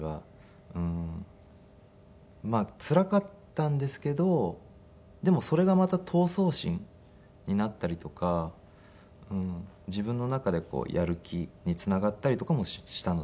まあつらかったんですけどでもそれがまた闘争心になったりとか自分の中でやる気につながったりとかもしたので。